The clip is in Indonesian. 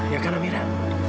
ya kan amira